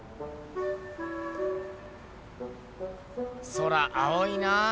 空青いなぁ。